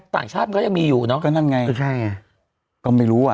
ต่างชาติมันก็ยังมีอยู่เนอะก็นั่นไงก็ไม่รู้อ่ะ